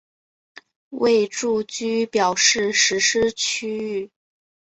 为住居表示实施区域。